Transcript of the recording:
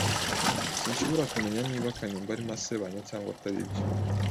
Sinshobora kumenya niba Kanimba arimo asebanya cyangwa ataribyo.